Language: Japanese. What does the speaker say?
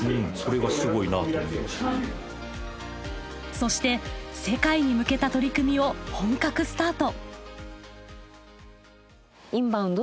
そして世界に向けた取り組みを本格スタート。